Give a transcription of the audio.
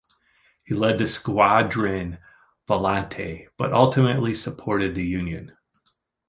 He led the Squadrone Volante, but ultimately supported the Union.